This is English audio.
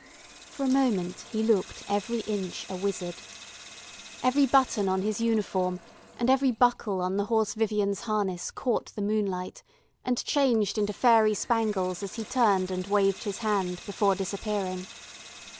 For a moment he looked every inch a wizard. Every button on his uniform and every buckle on the Horse Vivian's harness caught the moonlight, and changed into faery spangles as he turned and waved his hand before disappearing.